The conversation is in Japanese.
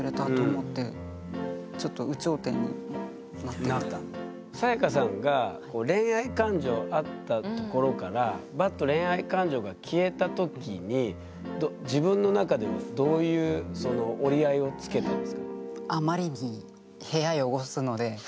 初めてこんなサヤカさんが恋愛感情あったところからバッと恋愛感情が消えた時に自分の中ではどういう折り合いをつけたんですか？